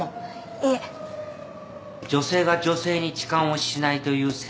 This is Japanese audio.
いえ女性が女性に痴漢をしないという先入観。